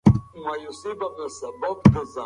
ماشوم د انا پښې په خپلو کوچنیو لاسونو نیولې دي.